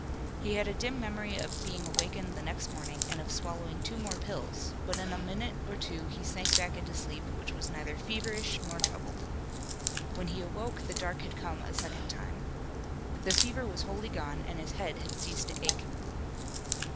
He had a dim memory of being awakened the next morning and of swallowing two more pills, but in a minute or two he sank back into a sleep which was neither feverish nor troubled. When he awoke the dark had come a second time. The fever was wholly gone, and his head had ceased to ache.